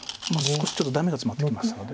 少しちょっとダメがツマってきましたので。